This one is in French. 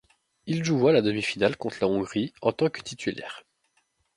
Il joua la demi-finale contre la Hongrie, en tant que titulaire.